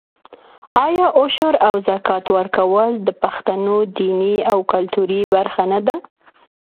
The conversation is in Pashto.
آیا عشر او زکات ورکول د پښتنو دیني او کلتوري برخه نه ده؟